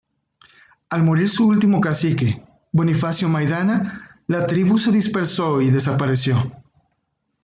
Al morir su último cacique, Bonifacio Maidana, la tribu se dispersó y desapareció.